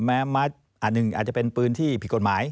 อันหนึ่งอาจจะเป็นปืนที่ผิดกฎหมาย